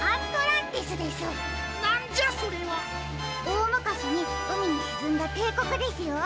おおむかしにうみにしずんだていこくですよ。